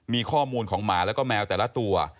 มีข้อมูลของหมาแล้วก็แมวแต่ละตัว